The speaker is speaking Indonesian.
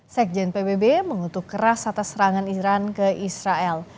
sekjen pbb mengutuk keras atas serangan iran ke israel